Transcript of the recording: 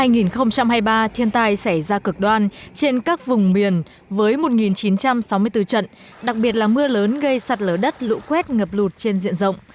năm hai nghìn hai mươi ba thiên tai xảy ra cực đoan trên các vùng miền với một chín trăm sáu mươi bốn trận đặc biệt là mưa lớn gây sạt lở đất lũ quét ngập lụt trên diện rộng